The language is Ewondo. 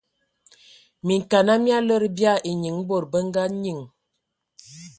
Minkana mia lədə bia enyiŋ bod bə nga nyiŋ.